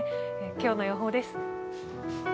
今日の予報です。